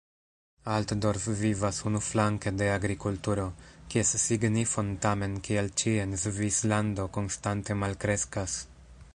Altdorf vivas unuflanke de agrikulturo, kies signifon tamen kiel ĉie en Svislando konstante malkreskas.